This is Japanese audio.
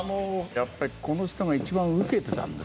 やっぱりこの人が一番ウケてたんですよ。